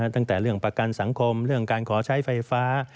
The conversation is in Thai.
ตั้งแต่เรื่องประกันสังคมเรื่องการขอใช้ไฟฟ้า